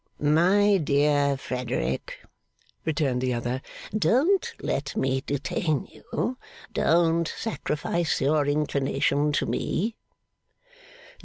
'My dear Frederick,' returned the other, 'don't let me detain you; don't sacrifice your inclination to me.